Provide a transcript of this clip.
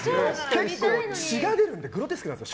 結構、血が出るのでグロテスクなんです